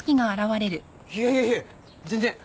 いやいやいや全然。